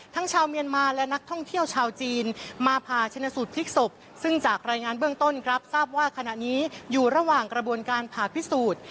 ชาวเมียนมาและนักท่องเที่ยวชาวจีนมาผ่าชนะสูตรพลิกศพซึ่งจากรายงานเบื้องต้นครับทราบว่าขณะนี้อยู่ระหว่างกระบวนการผ่าพิสูจน์